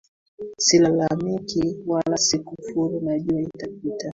Silalamiki wala sikufuru najua itapita.